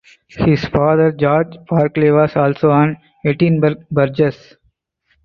His father George Barclay was also an Edinburgh burgess.